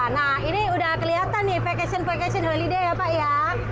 nah ini sudah kelihatan nih vacation vacation holiday ya pak ya